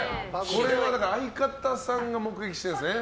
これは相方さんが目撃してるんですね。